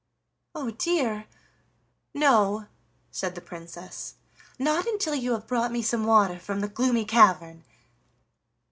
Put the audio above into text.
"Oh dear! no," said the Princess, "not until you have brought me some water from the Gloomy Cavern.